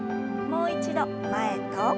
もう一度前と。